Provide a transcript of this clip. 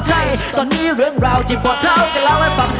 ใช่ตอนนี้เรื่องราวที่ปอดเท้ากันแล้วนะฝัง